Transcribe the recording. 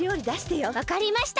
わかりました！